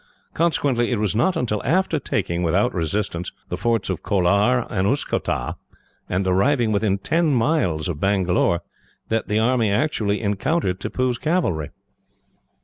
Consequently, it was not until after taking, without resistance, the forts of Colar and Ooscotah, and arriving within ten miles of Bangalore, that the army encountered Tippoo's cavalry.